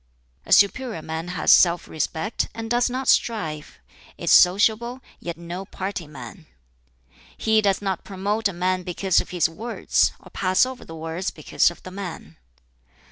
"A superior man has self respect, and does not strive; is sociable, yet no party man. "He does not promote a man because of his words, or pass over the words because of the man."